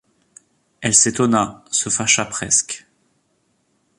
Elle s’étonna, se fâcha presque.